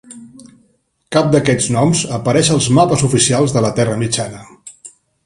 Cap d"aquests noms apareix als mapes oficials de la terra mitjana.